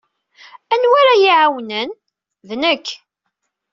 Anwa ara iyi-iɛawnen? D nekk.